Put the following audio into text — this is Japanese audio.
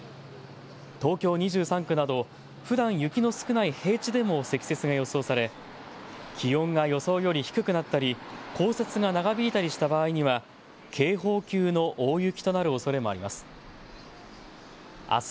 東京２３区などふだん雪の少ない平地でも積雪が予想され気温が予想より低くなったり降雪が長引いたりした場合には警報級の大雪となるおそれもあります。